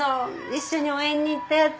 一緒に応援に行ったやつ。